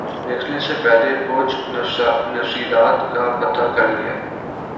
لکھنے سے پہلے کچھ تفصیلات کا پتہ کر لیں